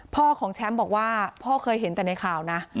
พ่อของแชมป์บอกว่าพ่อเคยเห็นแต่ในข่าวนะ